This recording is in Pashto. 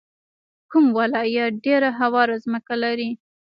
کوم ولایت ډیره هواره ځمکه لري؟